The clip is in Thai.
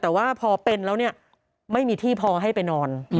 แต่คุณแต่ว่าพอเป็นแล้วไม่มีที่พอให้ไปนอน